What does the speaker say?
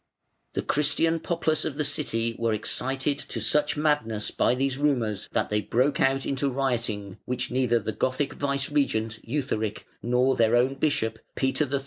The Christian populace of the city were excited to such madness by these rumours that they broke out into rioting, which neither the Gothic vicegerent, Eutharic, nor their own bishop, Peter III.